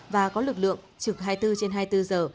và có lực lượng trực hai mươi bốn trên hai mươi bốn giờ